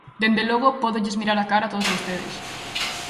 Dende logo, pódolles mirar á cara a todos vostedes.